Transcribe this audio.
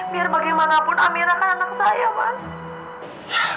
biar bagaimanapun amira kan anak saya mas